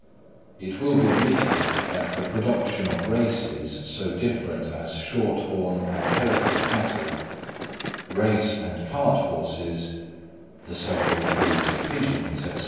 It will be admitted that the production of races so different as short horn and Hereford cattle, race and cart horses, the several breeds of pigeons, &c.